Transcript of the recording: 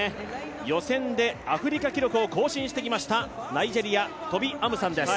予選でアフリカ記録を更新してきました、ナイジェリア、トビ・アムサンです。